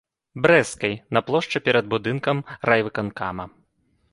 Брэсцкай, на плошчы перад будынкам райвыканкама.